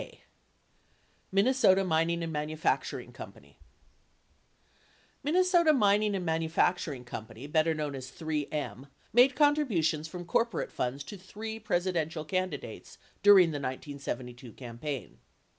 K. Minnesota Mining & Manufacturing Co. Minnesota Mining & Manufacturing Co., better known as 3M, made contributions from corporate funds to three Presidential can didates during the 1972 campaign.